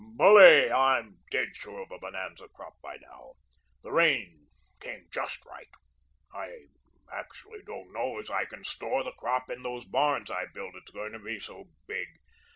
"Bully. I'm dead sure of a bonanza crop by now. The rain came JUST right. I actually don't know as I can store the crop in those barns I built, it's going to be so big.